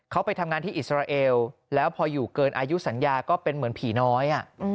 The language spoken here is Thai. เขาไปทำงานที่อิสราเอลแล้วพออยู่เกินอายุสัญญาก็เป็นเหมือนผีน้อย